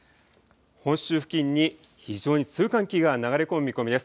本州付近に非常に強い寒気が流れ込む見込みです。